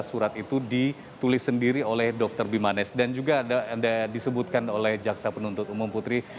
surat itu ditulis sendiri oleh dr bimanes dan juga anda disebutkan oleh jaksa penuntut umum putri